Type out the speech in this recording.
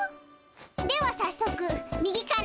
ではさっそく右から。